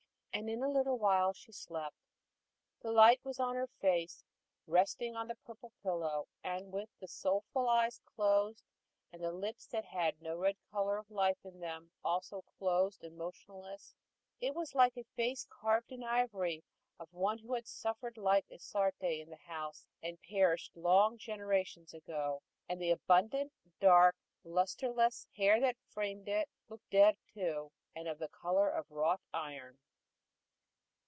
And in a little while she slept. The light was on her face, resting on the purple pillow, and with the soulful eyes closed, and the lips that had no red color of life in them also closed and motionless, it was like a face carved in ivory of one who had suffered like Isarte in the house and perished long generations ago; and the abundant dark, lusterless hair that framed it, looked dead too, and of the color of wrought iron.